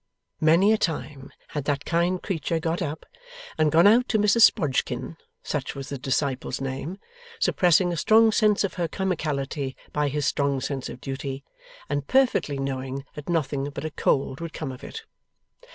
Many a time had that kind creature got up, and gone out to Mrs Sprodgkin (such was the disciple's name), suppressing a strong sense of her comicality by his strong sense of duty, and perfectly knowing that nothing but a cold would come of it.